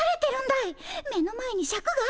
目の前にシャクがあるんだよ。